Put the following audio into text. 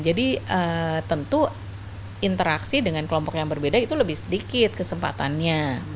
jadi tentu interaksi dengan kelompok yang berbeda itu lebih sedikit kesempatannya